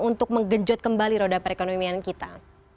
untuk menggenjot kembali roda perekonomian kita